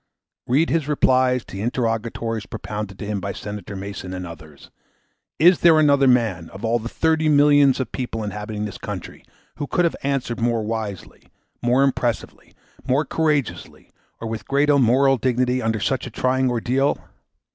Read his replies to the interrogatories propounded to him by Senator Mason and others! Is there another man, of all the thirty millions of people inhabiting this country, who could have answered more wisely, more impressively, more courageously, or with greater moral dignity, under such a trying ordeal?